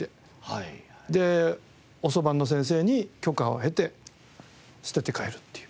で遅番の先生に許可を得て捨てて帰るっていう。